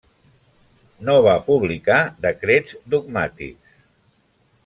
No va publicar decrets dogmàtics.